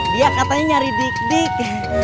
dia katanya nyari dik dik